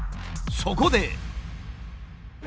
そこで。